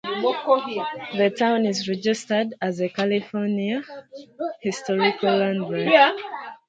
The town is registered as a California Historical Landmark.